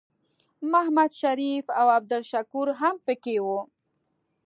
محمد شریف او عبدالشکور هم پکې وو.